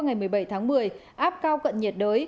ngày một mươi bảy tháng một mươi áp cao cận nhiệt đới